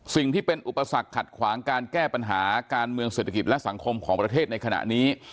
สิ่งที่เป็นอุปสรรคขัดขวางการแก้ปัญหาการเมืองเศรษฐกิจและสังคมของประเทศในขณะนี้